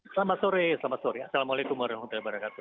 selamat sore selamat sore assalamualaikum wr wb